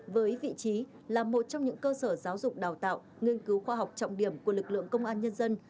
với vị trí là một trong những cơ sở giáo dục đào tạo nghiên cứu khoa học trọng điểm của lực lượng công an nhân dân